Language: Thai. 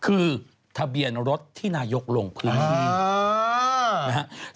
คือทะเบียนรถที่นายกลงพื้นที่นะครับ